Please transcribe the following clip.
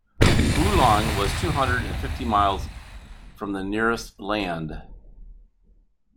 Oolong was two hundred and fifty miles from the nearest land.